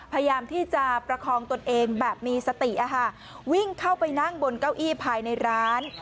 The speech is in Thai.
พยายามที่จะประคองตนเองแบบมีสติวิ่งเข้าไปนั่งบนเก้าอี้ภายในร้าน